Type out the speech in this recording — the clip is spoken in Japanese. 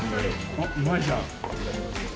・あっうまいじゃん。